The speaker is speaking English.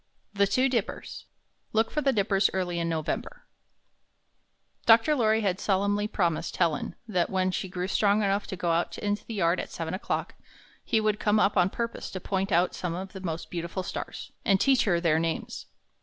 THE TWO DIPPERS Look for the Dippers early in November Doctor LoiT}^ had solemnly promised Helen that when she grew strong enough to go out in the yard at seven o'clock, he would come up on purpose to point out some of the most beautiful stars, and teach her their names.